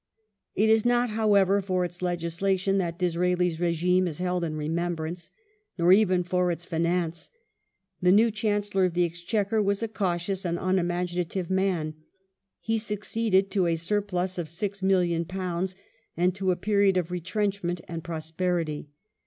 It is not, however, for its legislation that Disraeli's regime is sir Staf held in remembrance. Nor even for its finance. The new Chan ^^^^j^, cellor of the Exchequer was a cautious and unimaginative man ; he cote's fin succeeded to a surplus of £6,000,000 and to a period of retrench ^^^^ ment and prosperity.